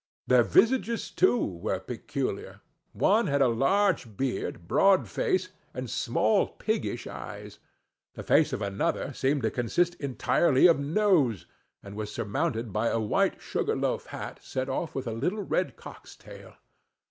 Their visages, too, were peculiar: one had a large beard, broad face, and small piggish eyes: the face of another seemed to consist entirely of nose, and was surmounted by a white sugar loaf hat set off with a little red cock's tail.